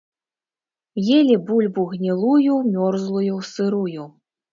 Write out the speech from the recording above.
Елі бульбу гнілую, мёрзлую, сырую.